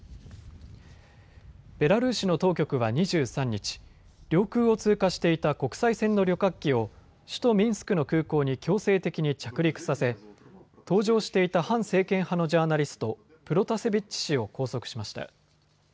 ベラルーシの当局は２３日、領空を通過していた国際線の旅客機を首都ミンスクの空港に強制的に着陸させ搭乗していた反政権派のジャーナリスト、プロタセビッチ氏を拘束しました。